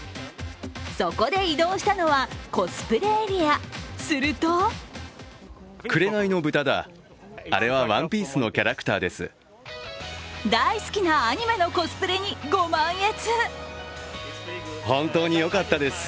そこで移動したコスプレエリアすると大好きなアニメのコスプレにご満悦。